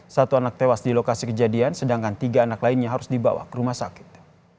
satu anak tewas di lokasi kejadian sedangkan tiga anak lainnya harus dibawa ke rumah sakit